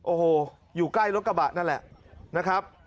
โอ้โหอยู่ใกล้รถกระบะนั่นแหละนะครับ